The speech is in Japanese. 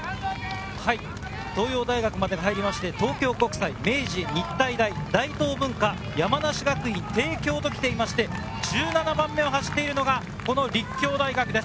東洋大学まで入って東京国際、明治、日体大、大東文化、山梨学院、帝京と来て１７番目を走るのが立教大学です。